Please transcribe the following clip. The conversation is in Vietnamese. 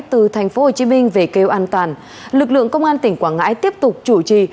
từ tp hcm về kêu an toàn lực lượng công an tỉnh quảng ngãi tiếp tục chủ trì